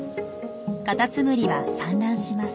カタツムリは産卵します。